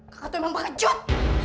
kakak tuh emang pengecut